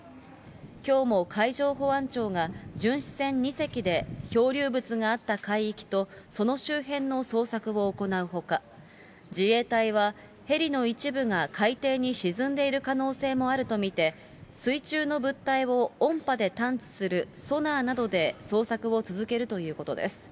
きょうも海上保安庁が巡視船２隻で漂流物があった海域と、その周辺の捜索を行うほか、自衛隊はヘリの一部が海底に沈んでいる可能性もあると見て、水中の物体を音波で探知するソナーなどで捜索を続けるということです。